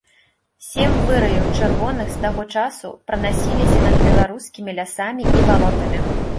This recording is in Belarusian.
Сем выраяў чырвоных з таго часу пранасіліся над беларускімі лясамі і балотамі.